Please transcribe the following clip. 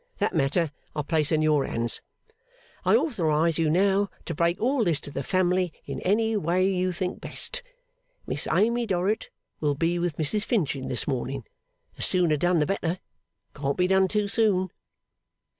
That matter I place in your hands. I authorize you now to break all this to the family in any way you think best. Miss Amy Dorrit will be with Mrs Finching this morning. The sooner done the better. Can't be done too soon.